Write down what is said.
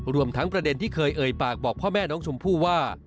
รวมทั้งประเด็นที่เคยเอ่ยปากบอกพ่อแม่น้องชมพู่ว่า